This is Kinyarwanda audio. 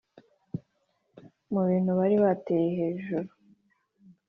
Mu Bintu Bari Batereye Hejuru